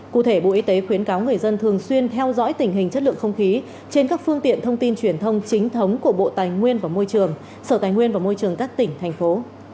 cụ thể bộ y tế khuyến cáo người dân thường xuyên theo dõi tình hình chất lượng không khí trên các phương tiện thông tin truyền thông chính thống của bộ tài nguyên và môi trường sở tài nguyên và môi trường các tỉnh thành phố